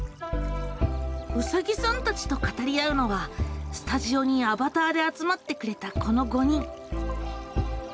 うさぎさんたちと語り合うのはスタジオにアバターで集まってくれたこの５人。